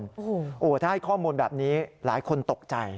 โอ้โหถ้าให้ข้อมูลแบบนี้หลายคนตกใจ